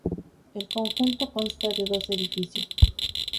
El conjunto consta de dos edificios.